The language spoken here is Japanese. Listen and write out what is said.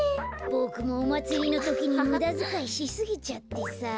ボクもおまつりのときにむだづかいしすぎちゃってさあ。